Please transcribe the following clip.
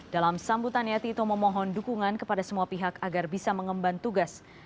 dalam sambutannya tito memohon dukungan kepada semua pihak agar bisa mengemban tugas